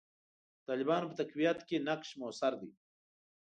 د طالبانو په تقویت کې نقش موثر دی.